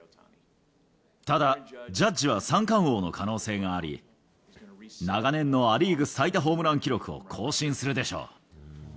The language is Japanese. ただ、ジャッジは三冠王の可能性があり、長年のア・リーグ最多ホームラン記録を更新するでしょう。